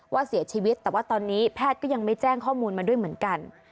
ว่าเสียชีวิตแต่ว่าตอนนี้แพทย์ก็ยังไม่แจ้งข้อมูลมาด้วยเหมือนกัน